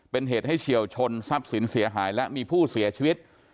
เป็นเหตุให้เฉียวชนทรัพย์สินเสียหายและมีผู้เสียชีวิต